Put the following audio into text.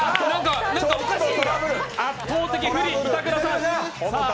圧倒的不利、板倉さん。